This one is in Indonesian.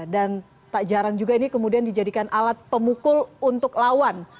dan tak jarang juga ini kemudian dijadikan alat pemukul untuk lawan